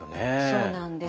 そうなんです。